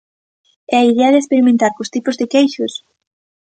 E a idea de experimentar cos tipos de queixos?